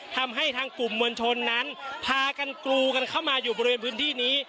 ทำให้ทางกลุ่มมวลชนนั้นพากันกรูกันเข้ามาอยู่บริเวณพื้นที่นี้